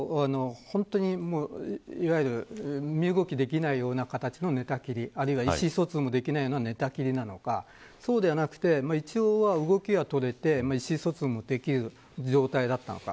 いわゆる身動きできない状態の寝たきりあるいは、意思疎通もできない寝たきりなのか一応、動きは取れて意思疎通もできる状態だったのか。